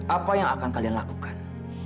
apa yang akan kalian lakukan